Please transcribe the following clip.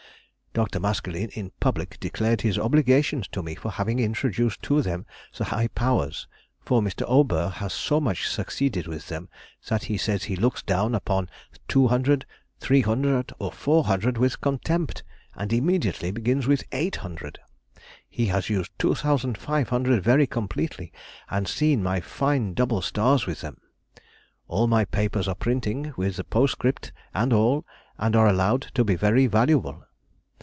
Dr. Maskelyne in public declared his obligations to me for having introduced to them the high powers, for Mr. Aubert has so much succeeded with them that he says he looks down upon 200, 300, or 400 with contempt, and immediately begins with 800. He has used 2500 very completely, and seen my fine double stars with them. All my papers are printing, with the postscript and all, and are allowed to be very valuable.